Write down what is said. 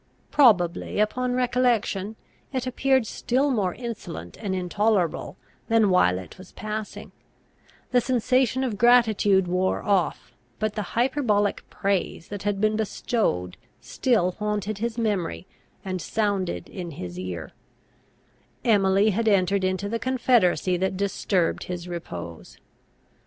Probably, upon recollection, it appeared still more insolent and intolerable than while it was passing; the sensation of gratitude wore off, but the hyperbolical praise that had been bestowed still haunted his memory, and sounded in his ear; Emily had entered into the confederacy that disturbed his repose.